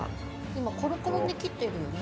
今コロコロに切ってるよね？